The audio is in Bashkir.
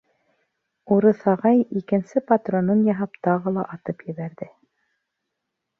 Урыҫ ағай икенсе патронын яһап тағы ла атып ебәрҙе.